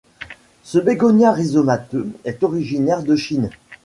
Ce bégonia rhizomateux est originaire de Chine.